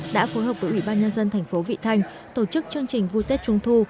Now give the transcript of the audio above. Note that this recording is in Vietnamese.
đã phối hợp với ủy ban nhân dân tp vị thành tổ chức chương trình vui tết trung thu